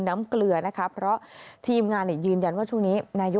เกลือนะคะเพราะทีมงานเนี่ยยืนยันว่าช่วงนี้นายก